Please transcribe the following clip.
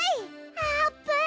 あーぷん！